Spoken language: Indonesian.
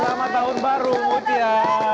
selamat tahun baru mutia